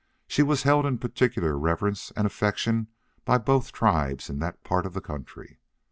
She was held in peculiar reverence and affection by both tribes in that part of the country.